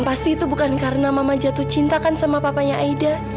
pasti itu bukan karena mama jatuh cinta kan sama papanya aida